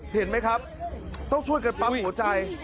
เห็นไหมครับต้องช่วยกันปั๊มหัวใจ